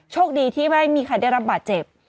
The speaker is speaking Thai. โชคดีที่ไม่มีใครได้รับบาดเจ็บ